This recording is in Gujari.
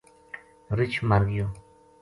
رچھ مر گیو